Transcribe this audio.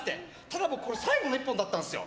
でもこれ最後の１本だったんですよ。